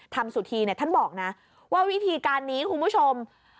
สุธีเนี่ยท่านบอกนะว่าวิธีการนี้คุณผู้ชม